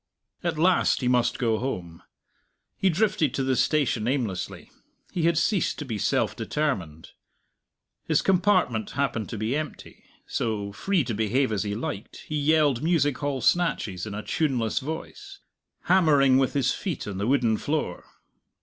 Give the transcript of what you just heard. At last he must go home. He drifted to the station aimlessly; he had ceased to be self determined. His compartment happened to be empty; so, free to behave as he liked, he yelled music hall snatches in a tuneless voice, hammering with his feet on the wooden floor.